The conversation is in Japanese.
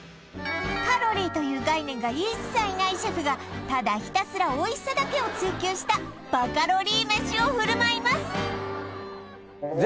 カロリーという概念が一切ないシェフがただひたすらおいしさだけを追求したバカロリー飯を振る舞います